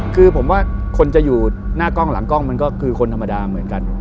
คือผมว่าคนจะอยู่หน้ากล้องหลังกล้องมันก็คือคนธรรมดาเหมือนกัน